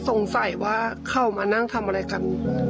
สงสัยว่าเขามานั่งทำอะไรกัน